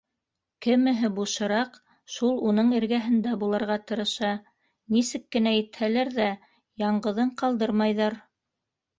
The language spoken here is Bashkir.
Кемеһе бушыраҡ, шул уның эргәһендә булырға тырыша, нисек кенә итһәләр ҙә, яңғыҙын ҡалдырмайҙар.